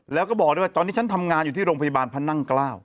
แล้วก็บอกด้วยว่าตอนนี้ฉันทำงานอยู่ที่โรงพยาบาลพระนั่งเกล้า